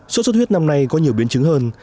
sốt xuất huyết năm nay có nhiều biến chứng hơn